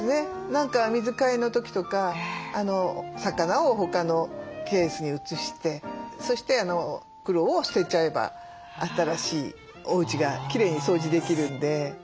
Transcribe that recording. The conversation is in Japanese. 何か水替えの時とか魚を他のケースに移してそして袋を捨てちゃえば新しいおうちがきれいに掃除できるんで。